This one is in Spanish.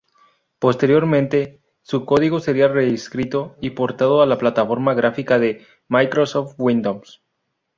Posteriormente su código sería reescrito y portado a la plataforma gráfica de Microsoft Windows.